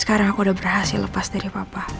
sekarang aku udah berhasil lepas dari papa